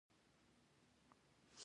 یو پیاوړی هیواد له خپلې شتمنۍ ګټه اخلي